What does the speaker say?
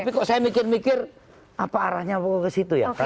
tapi kok saya mikir mikir apa arahnya mau ke situ ya